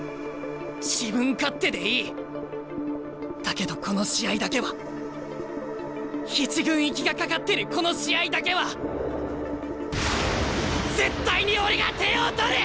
自分勝手でいい。だけどこの試合だけは１軍行きがかかってるこの試合だけは絶対に俺が点を取る！